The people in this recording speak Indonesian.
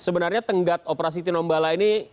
sebenarnya tenggat operasi timbong barat ini